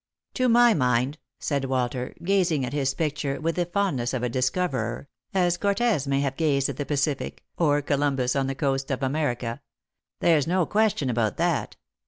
" To my mind," said Walter, gazing at his picture with the fondness of a discoverer, as Cortez may have gazed at the Pacific or Columbus on the coast of America, " there's no question about that.